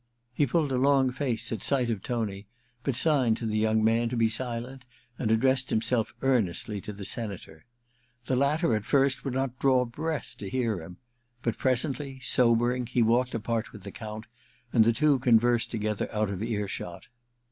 He pulled a long face at sight of Tony, but signed to the young man to be silent, and addressed himself earnestly to the Senator. The latter, at first, would not draw breath to hear him ; but presently, sobering, he walked apart with the Count, and the two conversed together out of earshot.